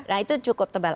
nah itu cukup tebal